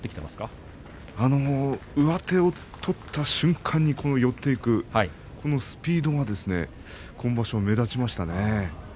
上手を取った瞬間に寄っていく、そのスピードが今場所目立ちましたね。